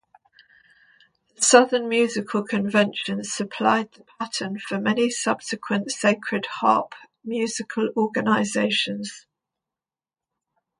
The Southern Musical Convention supplied the pattern for many subsequent Sacred Harp musical organizations.